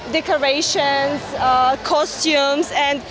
dekorasi kostum dan